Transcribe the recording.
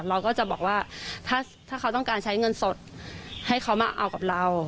เราก็จะบอกว่าถ้าเขาต้องการใช้เงินสดให้เขามาเอากับเรา